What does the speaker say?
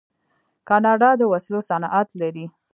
کاناډا د وسلو صنعت لري.